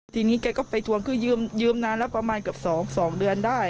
ทีนี้แกไปถวงคือยืมนานล่ะประมาณแก่๒เดือนได้